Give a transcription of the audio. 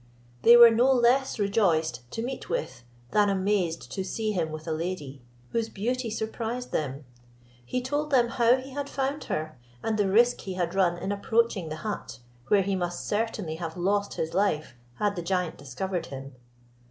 They were no less rejoiced to meet with, than amazed to see him with a lady, whose beauty surprised them. He told them how he had found her, and the risk he had run in approaching the hut, where he must certainly have lost his life had the giant discovered him.